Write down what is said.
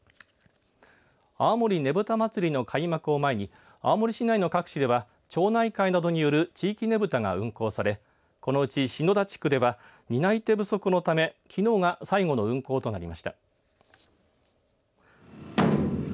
青森ねぶた祭の開幕を前に青森市内の各地では町内会などによる地域ねぶたが運行され、このうち篠田地区では担い手不足のためきのうが最後の運行となりました。